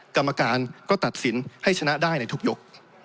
กรรมการก็ตัดสินให้ชนะได้ในทุกยก